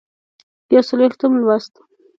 یوڅلوېښتم لوست